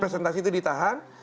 presentasi itu ditahan